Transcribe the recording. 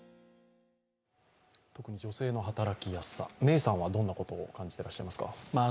特に女性の働きやすさ、どんなことを感じていらっしゃいますか？